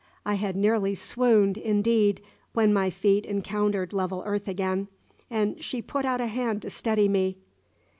I had nearly swooned, indeed, when my feet encountered level earth again, and she put out a hand to steady me.